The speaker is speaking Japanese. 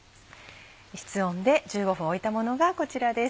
室温で１５分置いたものがこちらです。